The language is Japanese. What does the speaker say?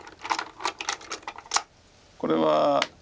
これは。